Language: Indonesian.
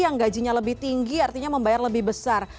yang gajinya lebih tinggi artinya membayar lebih besar